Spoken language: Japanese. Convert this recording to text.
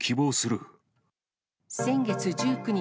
先月１９日、